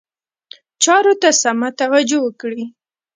چارو ته سمه توجه وکړي.